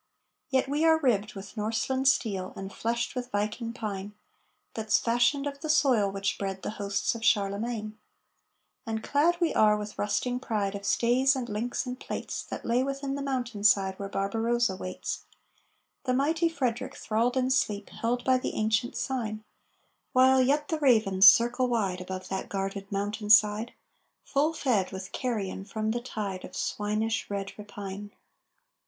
Yet we are ribbed with Norseland steel and fleshed with Viking pine, That's fashioned of the soil which bred the hosts of Charlemagne; And clad we are with rusting pride of stays and links and plates That lay within the mountain side where Barbarossa waits The mighty Frederick thralled in sleep, held by the ancient sign, While yet the ravens circle wide Above that guarded mountain side, Full fed with carrion from the tide Of swinish, red rapine!